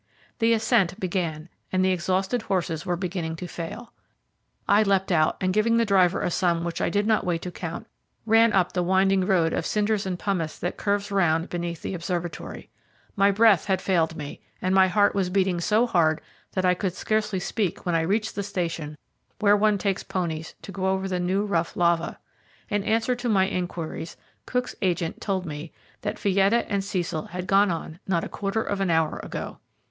The ascent began, and the exhausted horses were beginning to fail. I leapt out, and giving the driver a sum which I did not wait to count, ran up the winding road of cinders and pumice that curves round beneath the observatory. My breath had failed me, and my heart was beating so hard that I could scarcely speak when I reached the station where one takes ponies to go over the new, rough lava. In answer to my inquiries, Cook's agent told me that Fietta and Cecil had gone on not a quarter of an hour ago.